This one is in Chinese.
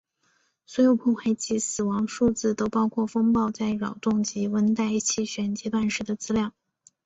所有破坏及死亡数字都包括风暴在扰动及温带气旋阶段时的资料。